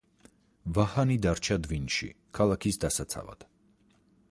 ვაჰანი დარჩა დვინში ქალაქის დასაცავად.